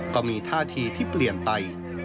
ก็มีท่าทีที่เปลี่ยนไป